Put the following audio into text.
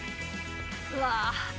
うわ。